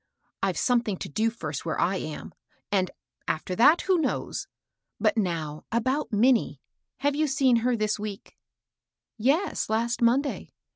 I've something to do first where I am, and, after that, — who knows ? And now about Min nie. Have you seen her this week ?" 34 MABEL ROSS. " Yes, last Monday.